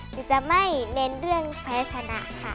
หรือจะไม่เน้นเรื่องแพ้ชนะค่ะ